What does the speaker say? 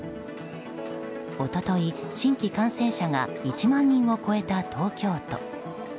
一昨日、新規感染者が１万人を超えた東京都。